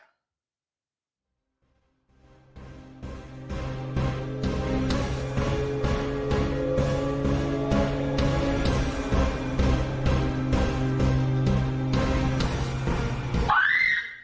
นายเหมือนชายต่างฮ่า